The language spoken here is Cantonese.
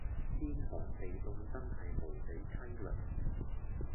天寒地涷真係無比淒涼